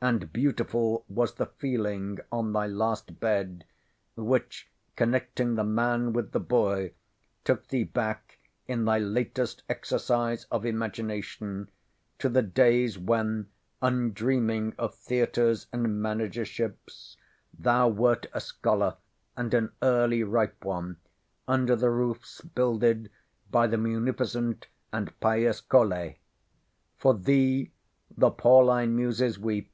and beautiful was the feeling on thy last bed, which, connecting the man with the boy, took thee back in thy latest exercise of imagination, to the days when, undreaming of Theatres and Managerships, thou wert a scholar, and an early ripe one, under the roofs builded by the munificent and pious Colet. For thee the Pauline Muses weep.